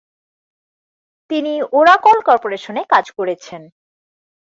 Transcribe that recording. তিনি ওরাকল কর্পোরেশনে কাজ করেছেন।